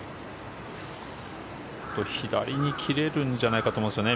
左に切れるんじゃないかと思うんですよね